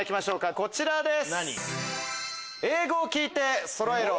こちらです！